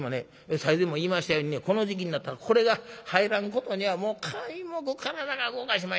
最前も言いましたようにねこの時期になったらこれが入らんことには皆目体が動かしまへんねやがな。